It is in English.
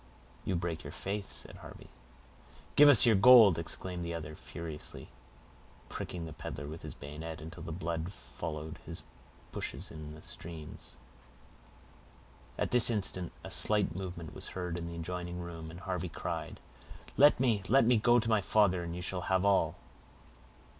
"You break your faith," said Harvey. "Give us your gold," exclaimed the other, furiously, pricking the peddler with his bayonet until the blood followed his pushes in streams. At this instant a slight movement was heard in the adjoining room, and Harvey cried,— "Let me—let me go to my father, and you shall have all."